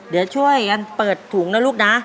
เดี๋ยวช่วยกันเปิดถุงนะลูกนะ